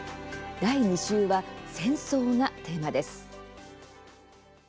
第２集は戦争がテーマです。